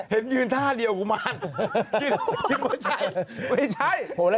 เห็นยืนท่าเดียวกูมาน